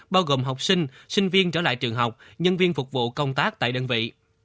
bao gồm học sinh sinh viên trở lại trường học nhân viên phục vụ công tác tại đơn vị